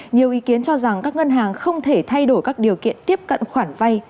nhiều ý kiến cho rằng các ngân hàng không thể thay đổi các điều kiện tiếp cận khoản vay